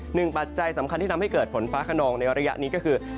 ปัจจัยสำคัญที่ทำให้เกิดฝนฟ้าขนองในระยะนี้ก็คือ